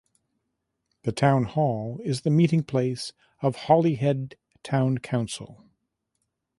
The town hall is the meeting place of Holyhead Town Council.